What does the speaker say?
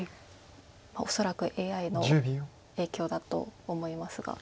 恐らくＡＩの影響だと思いますが。